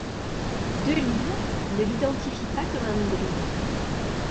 De l'Isle ne l'identifie pas comme un hybride.